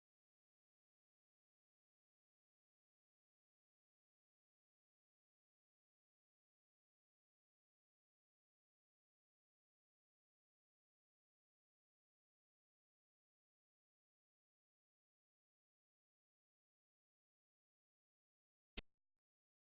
ว่าแม่ของเธอเพราะว่ามีเหล็กแหลมติดตัวมาได้ยังไง